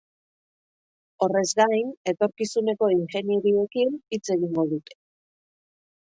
Horrez gain, etorkizuneko ingenieriekin hitz egingo dute.